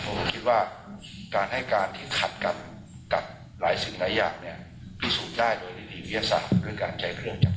เพื่อให้ใส่สงสัยนะครับว่ามีบางประเด็นไปตั้งในการทำร้ายร่างกาย